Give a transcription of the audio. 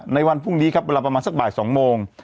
ในวันพรุ่งนี้ครับเวลาประมาณสักบ่าย๒โมง